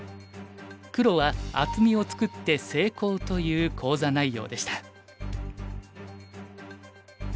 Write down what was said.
黒は厚みを作って成功という講座内容でした。